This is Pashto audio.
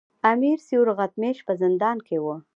امیر سیورغتمیش په زندان کې وو.